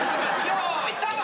よーいスタート！